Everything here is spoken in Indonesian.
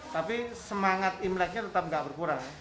tapi semangat imleknya tetap gak berkurang